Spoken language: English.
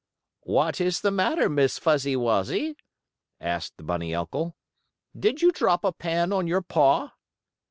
"What is the matter, Miss Fuzzy Wuzzy?" asked the bunny uncle. "Did you drop a pan on your paw?"